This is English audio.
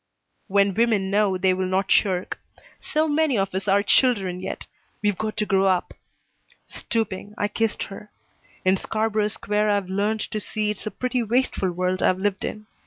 "When women know, they will not shirk. So many of us are children yet. We've got to grow up." Stooping, I kissed her. "In Scarborough Square I've learned to see it's a pretty wasteful world I've lived in.